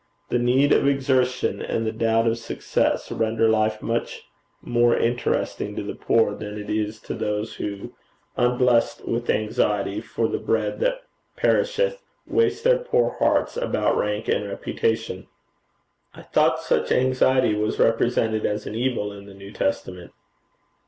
The need of exertion and the doubt of success, renders life much more interesting to the poor than it is to those who, unblessed with anxiety for the bread that perisheth, waste their poor hearts about rank and reputation.' 'I thought such anxiety was represented as an evil in the New Testament.'